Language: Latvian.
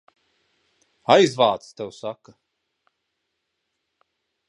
Aizvāc, tev saka!